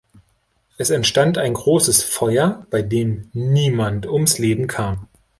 Es entstand ein großes Feuer, bei dem niemand ums Leben kam.